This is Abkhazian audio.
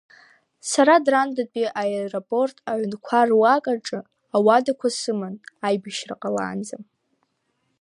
Сара Драндатәи аеропорт аҩнқәа руак аҿы ауадақәа сыман аибашьра ҟалаанӡа.